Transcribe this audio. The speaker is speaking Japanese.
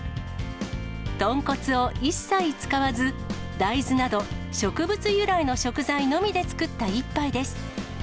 豚骨を一切使わず、大豆など、植物由来の食材のみで作った一杯です。